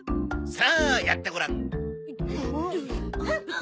さあやってごらん。